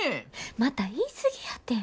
また言い過ぎやて。